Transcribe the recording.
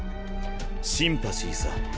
シンパシーさ。